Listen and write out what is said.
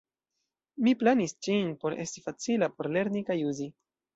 Mi planis ĝin por esti facila por lerni kaj uzi.